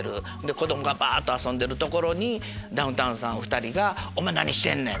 子どもが遊んでるところにダウンタウンさんお２人が「おまえ何してんねん！」